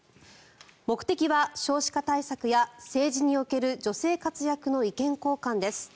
目的は少子化対策や政治における女性活躍の意見交換です。